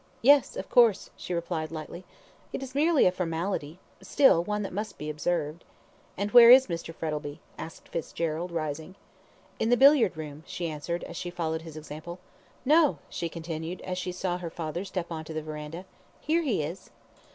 "Yes, of course!" she replied, lightly. "It is merely a formality; still, one that must be observed." "And where is Mr. Frettlby?" asked Fitzgerald, rising. "In the billiard room," she answered, as she followed his example. "No!" she continued, as she saw her father step on to the verandah. "Here he is."